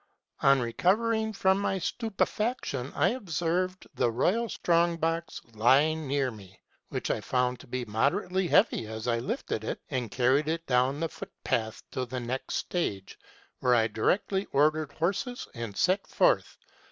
On recovering from my stupefaction, I ob served the royal strong box lying near me, which I found to be moderately heavy, as I lifted it, and carried it down the footpath to the next stage, where I directly ordered horses and set forth.